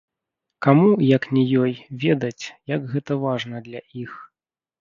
Каму, як не ёй, ведаць, як гэта важна для іх.